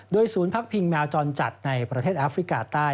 ศูนย์พักพิงแมวจรจัดในประเทศแอฟริกาใต้